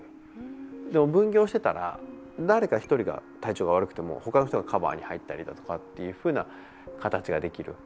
でも、分業してたら誰か１人が体調が悪くても他の人がカバーに入ったりだとかっていうふうな形ができる。